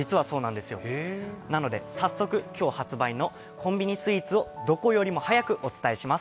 なので、早速今日発表のコンビニスイーツをどこよりも早くお届けします。